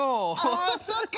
あそうか！